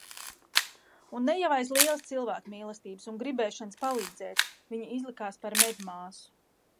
Un ne jau aiz lielas cilvēkmīlestības un gribēšanas palīdzēt viņa izlikās par medmāsu.